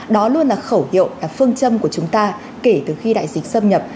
đó luôn là khẩu hiệu là phương châm của chúng ta kể từ khi đại dịch xâm nhập